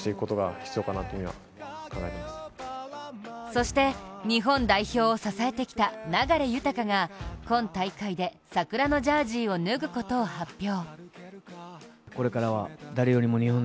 そして、日本代表を支えてきた流大が今大会で桜のジャージーを脱ぐことを発表。